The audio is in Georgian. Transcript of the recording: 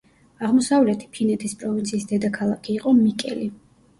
აღმოსავლეთი ფინეთის პროვინციის დედაქალაქი იყო მიკელი.